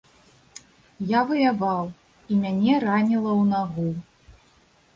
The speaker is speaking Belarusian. Я ваяваў, і мяне раніла ў нагу.